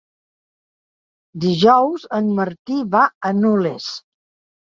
Dijous en Martí va a Nules.